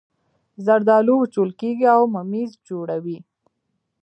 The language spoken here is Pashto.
زردالو وچول کیږي او ممیز جوړوي